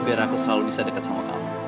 biar aku selalu bisa dekat sama kamu